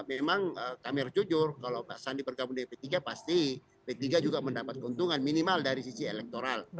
memang kami harus jujur kalau pak sandi bergabung di p tiga pasti p tiga juga mendapat keuntungan minimal dari sisi elektoral